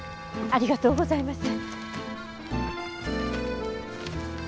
ありがとうございます！